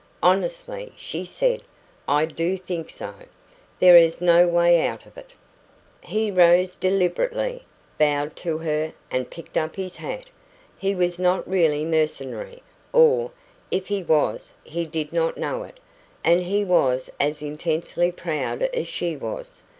"Honestly," she said, "I do think so. There is no way out of it." He rose deliberately, bowed to her, and picked up his hat. He was not really mercenary or, if he was, he did not know it and he was as intensely proud as she was.